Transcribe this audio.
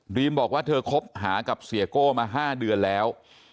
บอกว่าเธอคบหากับเสียโก้มา๕เดือนแล้ว